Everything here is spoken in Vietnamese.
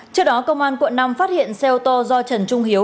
trước đó công an quận năm phát hiện xe ô tô do trần trung hiếu